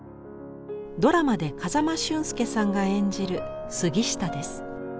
ドラマで風間俊介さんが演じる杉下です。